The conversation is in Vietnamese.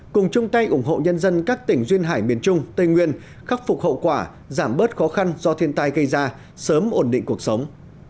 cùng chung tay ủng hộ nhân dân các tỉnh duyên hải miền trung tây nguyên khắc phục hậu quả giảm bớt khó khăn do thiên tai gây ra sớm ổn định cuộc sống